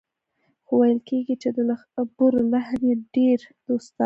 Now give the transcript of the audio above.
خو ویل کېږي چې د خبرو لحن یې ډېر دوستانه و